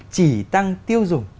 chỉ tăng tiêu dùng